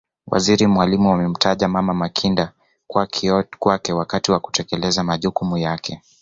Waziri Mwalimu amemtaja Mama Makinda kuwa kioo kwake wakati wa kutekeleza majukumu yake